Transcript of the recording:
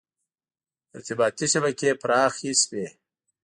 • ارتباطي شبکې پراخې شوې.